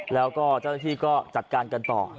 แล้วก็เจ้าหน้าที่ก็จัดการกันต่อ